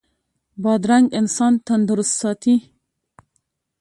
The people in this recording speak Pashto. بادرنګ انسان تندرست ساتي.